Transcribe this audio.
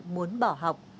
muốn bỏ học